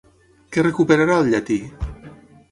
Què recuperarà el llatí?